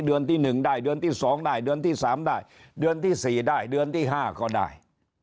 เดือนที่๑ได้เดือนที่๒ได้เดือนที่๓ได้เดือนที่๔ได้เดือนที่๕ก็ได้